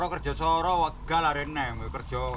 kerjaan ini ini ini ini